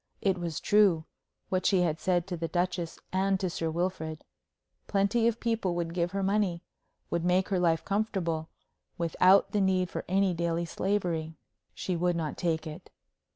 It was true, what she had said to the Duchess and to Sir Wilfrid. Plenty of people would give her money, would make her life comfortable, without the need for any daily slavery. She would not take it.